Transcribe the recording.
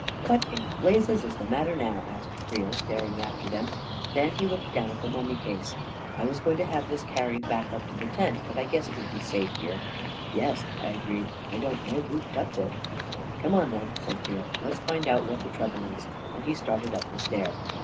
" What in blazes is the matter now? " asked Creel, staring after them. Then he looked down at the mummy case. " I was going to have this carried back to the tent, but I guess it will be safe here/ 9 " Yes," I agreed. " I don't know who'd touch it." " Come on, then," said Creel. " Let's find out what the trouble is," and he started up the stair.